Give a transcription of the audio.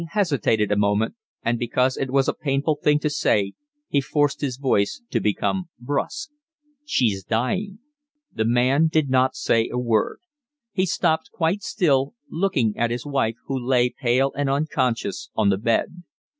hesitated a moment, and because it was a painful thing to say he forced his voice to become brusque. "She's dying." The man did not say a word; he stopped quite still, looking at his wife, who lay, pale and unconscious, on the bed.